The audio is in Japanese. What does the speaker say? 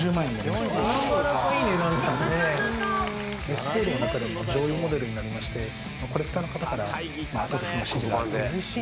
レスポールの中でも上位モデルになりましてコレクターの方から圧倒的な支持が。